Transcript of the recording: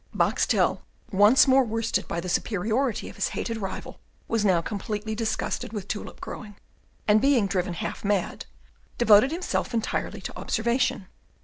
Boxtel, once more worsted by the superiority of his hated rival, was now completely disgusted with tulip growing, and, being driven half mad, devoted himself entirely to observation.